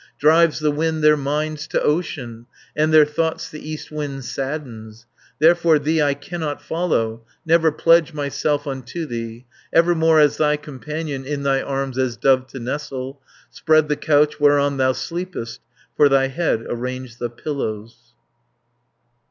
Drives the wind their minds to ocean, And their thoughts the east wind saddens: 700 Therefore thee I cannot follow, Never pledge myself unto thee, Evermore as thy companion, In thy arms as dove to nestle, Spread the couch whereon thou sleepest, For thy head arrange the pillows."